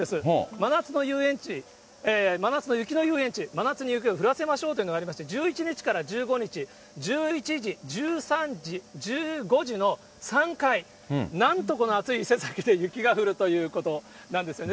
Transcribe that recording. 真夏の遊園地、真夏の雪の遊園地、真夏に雪を降らせまショーというのがありまして、１１日から１５日、１１時、１３時、１５時の３回、なんとこの暑い伊勢崎で雪が降るということなんですよね。